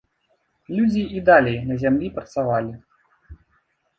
Людзі і далей на зямлі працавалі.